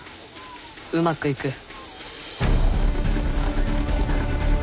うまくいく。